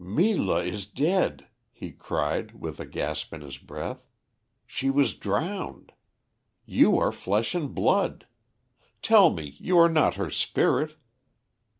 "Meela is dead," he cried, with a gasp in his breath. "She was drowned. You are flesh and blood. Tell me you are not her spirit?"